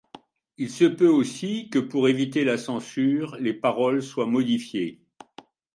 Il se peut aussi que, pour éviter la censure, les paroles soient modifiées.